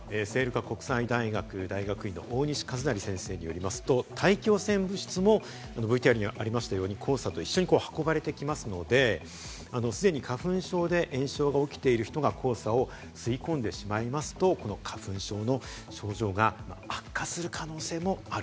聖路加国際大学大学院の大西一成先生によりますと、大気汚染物質などもＶＴＲにありましたように黄砂と一緒に運ばれてくるので、すでに花粉症で炎症が起きている人が黄砂を吸い込んでしまいますと、花粉症の症状が悪化する可能性もある。